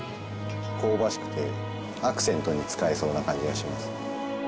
香ばしくてアクセントに使えそうな感じがします。